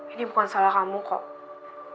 ini bukan salah kamu kok